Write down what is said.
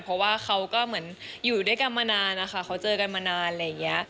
เพราะว่าเขาก็เหมือนอยู่ด้วยกันมานานนะคะเขาเจอกันมานานอะไรอย่างนี้